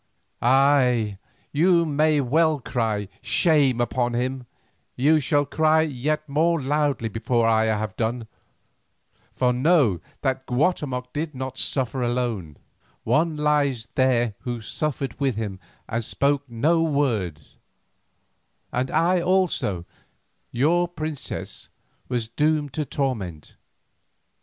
Ay, you may well cry 'Shame upon him,' you shall cry it yet more loudly before I have done, for know that Guatemoc did not suffer alone, one lies there who suffered with him and spoke no word, and I also, your princess, was doomed to torment.